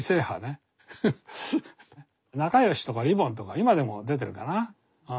「なかよし」とか「りぼん」とか今でも出てるかな。